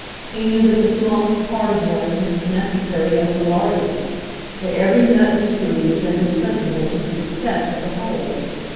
He knew that the smallest part of one was as necessary as the largest, that every nut and screw was indispensable to the success of the whole.